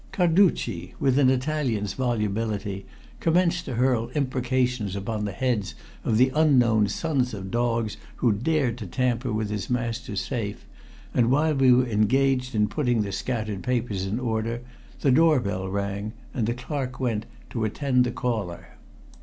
Carducci, with an Italian's volubility, commenced to hurl imprecations upon the heads of the unknown sons of dogs who dared to tamper with his master's safe, and while we were engaged in putting the scattered papers in order the door bell rang, and the clerk went to attend to the caller.